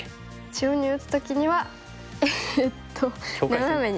中央に打つ時にはえっと斜めに。